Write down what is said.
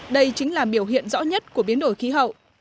đây chính là biểu hiện rõ nhất của biến đổi khí hậu